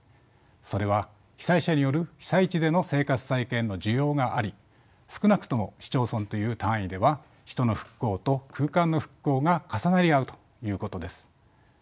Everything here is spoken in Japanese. それは被災者による被災地での生活再建の需要があり少なくとも市町村という単位では人の復興と空間の復興が重なり合うということです。